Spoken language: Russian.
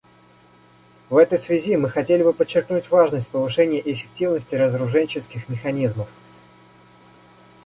В этой связи мы хотели бы подчеркнуть важность повышения эффективности разоруженческих механизмов.